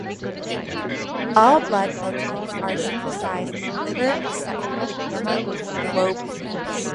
All blood proteins are synthesized in liver except for the gamma globulins.